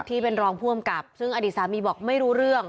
ที่เป็นรองผู้อำกับซึ่งอดีตสามีบอกไม่รู้เรื่อง